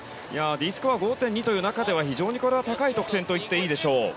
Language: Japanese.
Ｄスコア、５．２という中では非常にこれは高い得点といっていいでしょう。